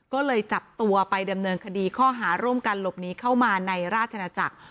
ก็เลยจับตัวไปดำเนินคดีข้อหาร่วมกันหลบหนีเข้ามาในราชนาจักร